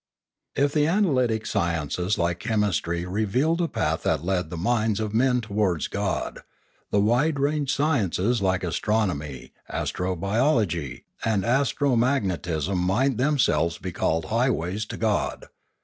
If the analytic sciences like chemistry revealed a path that led the minds of men towards God, the wide ranged sciences like astronomy, astrobiology, and as tromagnetism might themselves be called the highways Religion 685 to God.